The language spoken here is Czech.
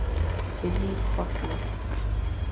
Bydlí v Chocni.